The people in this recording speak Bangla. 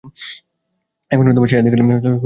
এখনো সেই আদ্যিকালের স্কুবাপ্রো রেগুলেটরই ব্যবহার করো।